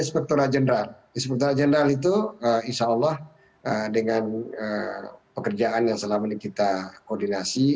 sepertinya general general itu insyaallah dengan pekerjaan yang selama ini kita koordinasi